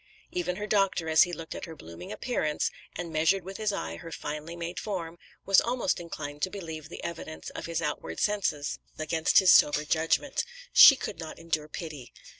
Even her doctor, as he looked at her blooming appearance, and measured with his eye her finely made form, was almost inclined to believe the evidence of his outward senses against his sober judgment.... She could not endure pity.